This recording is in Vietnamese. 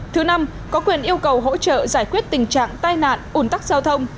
thứ năm có quyền yêu cầu hỗ trợ giải quyết tình trạng tai nạn ủn tắc giao thông